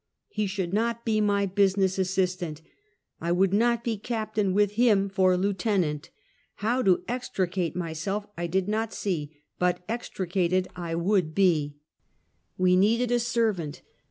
He should not be my business assistant. I would not be captain with him for lieutenant. How to extricate myself I did not see, but extricated I would be. Eebelliok. 65 We needed a servant.